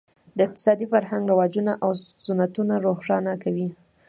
د اقتصادي فرهنګ رواجونه او سنتونه روښانه کوي.